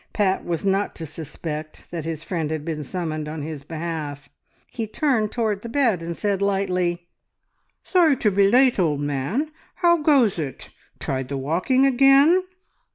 Pat was not to suspect that his friend had been summoned on his behalf. He turned towards the bed, and said lightly "Sorry to be late, old man. How goes it? Tried the walking again?"